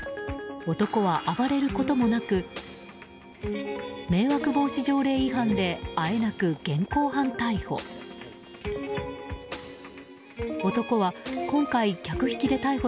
男は暴れることもなく迷惑防止条例違反であえなく現行犯逮捕。